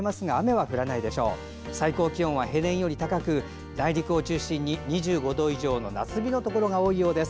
最高気温は平年より高く内陸を中心に２５度以上の夏日のところが多いようです。